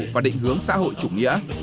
và định hướng xã hội chủ nghĩa